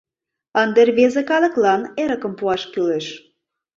Ынде рвезе калыклан эрыкым пуаш кӱлеш...